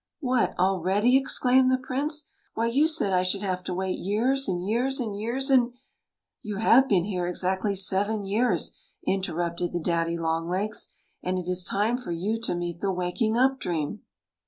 " What, already ?" exclaimed the Prince. " Why, you said I should have to wait years and years and years and " "You have been here exactly seven years," interrupted the daddy longlegs ;" and it is time for you to meet the waking up dream."